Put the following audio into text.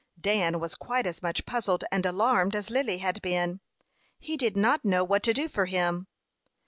Dan was quite as much puzzled and alarmed as Lily had been. He did not know what to do for him.